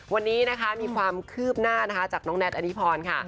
วันนี้มีความคืบหน้าจากน้องแนนทอนนทรพร